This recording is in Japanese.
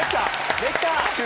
できた！